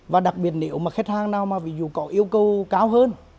và đặc biệt nếu mà khách hàng nào mà ví dụ có yêu cầu cao hơn